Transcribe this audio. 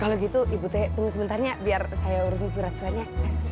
kalau gitu ibu teh tunggu sebentarnya biar saya urusin surat swabnya